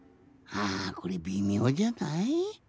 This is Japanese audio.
あこれびみょうじゃない？